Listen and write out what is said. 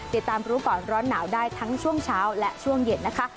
ติดตามรู้ก่อนร้อนหนาวได้ทั้งช่วงเช้าและช่วงเย็นนะคะ